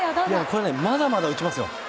これねまだまだ打ちますよ。